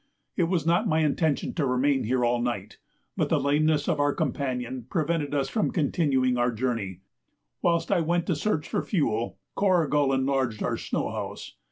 It was not my intention to remain here all night, but the lameness of our companion prevented us from continuing our journey. Whilst I went to search for fuel, Corrigal enlarged our snow house.